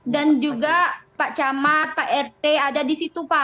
dan juga pak camat pak rt ada disitu pak